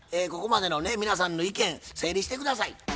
ここまでのね皆さんの意見整理して下さい。